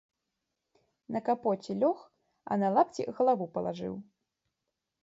На капоце лёг, а на лапці галаву палажыў.